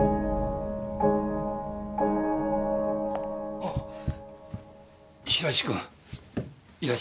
あっ白石君いらっしゃい。